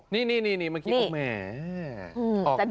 นี่เมื่อกี้อุ๊ยแหม